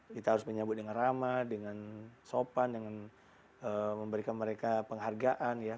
kita harus menyambut dengan ramah dengan sopan dengan memberikan mereka penghargaan ya